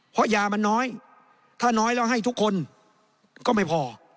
เพราะยามันน้อยถ้าน้อยแล้วให้ทุกคนก็ไม่พอ